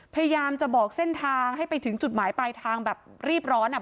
พยายามจะบอกเส้นทางให้ไปถึงจุดหมายปลายทางแบบรีบร้อนอ่ะ